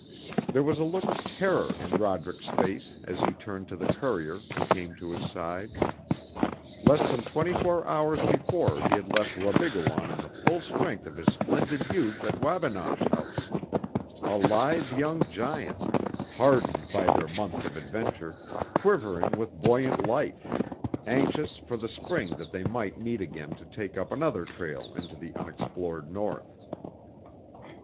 There was a look of terror in Roderick's face as he turned to the courier, who came to his side. Less than twenty four hours before he had left Wabigoon in the full strength of his splendid youth at Wabinosh House, a lithe young giant, hardened by their months of adventure, quivering with buoyant life, anxious for the spring that they might meet again to take up another trail into the unexplored North.